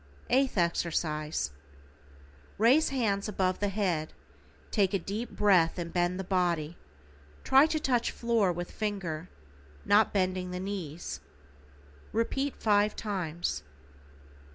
=EIGHTH EXERCISE:= Raise hands above the head, take a deep breath and bend the body, try to touch floor with finger, not bending the knees. Repeat 5 times.